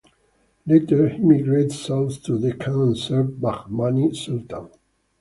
Later he migrated south to Deccan and served Bahmani sultan.